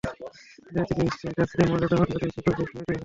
তিনি বাঙালি জাতিকে বিশ্বের কাছে মর্যাদাবান জাতি হিসেবে পরিচয় করিয়ে দিয়েছেন।